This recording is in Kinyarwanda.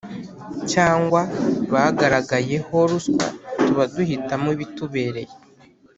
Cyangwa bagaragayeho ruswa tuba duhitamo ibitubereye